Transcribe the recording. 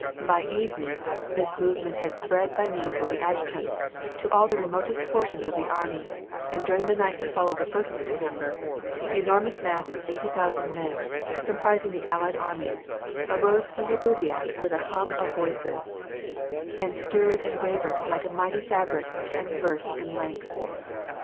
By evening this movement had spread by means of the adjutants to all the ren^otest portions of the army, and during the night that followed the first of December, the enormous mass of eighty thousand men comprising the allied armies, arose from their bivouacs with a hum of voices, and stirred and wavered like a mighty fabric ten versts in length.